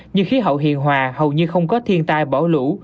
nhưng khí hậu hiền hòa hầu như không có thiên tai bỏ lũ